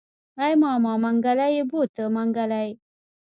ای ماما منګلی يې بوته منګلی.